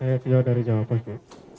oke bu saya bio dari jawa post bu